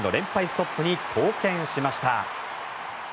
ストップに貢献しました。